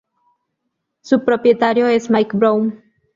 Su propietario es Mike Brown.